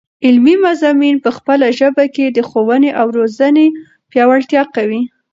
علمي مضامین په خپله ژبه کې، د ښوونې او روزني پیاوړتیا قوي.